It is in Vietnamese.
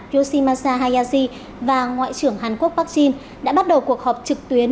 yoshimasa hayashi và ngoại trưởng hàn quốc park jin đã bắt đầu cuộc họp trực tuyến